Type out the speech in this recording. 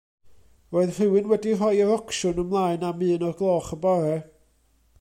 Roedd rhywun wedi rhoi yr ocsiwn ymlaen am un o'r gloch y bore.